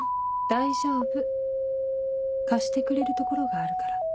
大丈夫貸してくれる所があるから。